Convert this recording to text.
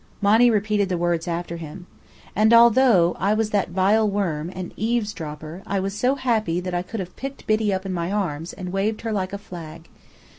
'" Monny repeated the words after him. And although I was that vile worm, an eavesdropper, I was so happy that I could have picked Biddy up in my arms, and waved her like a flag.